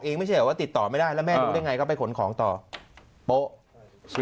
ไม่ใช่แบบว่าติดต่อไม่ได้แล้วแม่รู้ได้ไงก็ไปขนของต่อโป๊ะ